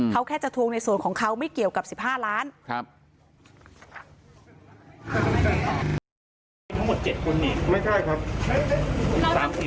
เขาแค่จะทวงในส่วนของเขาไม่เกี่ยวกับ๑๕ล้าน